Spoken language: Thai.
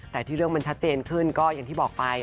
แต่ที่เรื่องมันชัดเจนขึ้นก็อย่างที่บอกไป